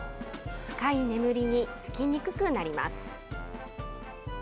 深い眠りにつきにくくなります。